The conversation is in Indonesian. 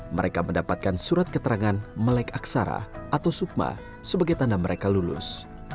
mereka mendapatkan surat keterangan melek aksara atau sukma sebagai tanda mereka lulus